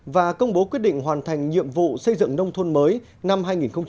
và công bố quyết định hoàn thành nhiệm vụ xây dựng nông thôn mới năm hai nghìn một mươi tám